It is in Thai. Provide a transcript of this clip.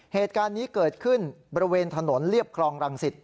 เหตุการณ์นี้เกิดขึ้นบริเวณถนนเรียบคลองรังสิต